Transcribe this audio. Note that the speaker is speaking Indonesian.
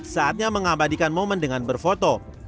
saatnya mengabadikan momen dengan berfoto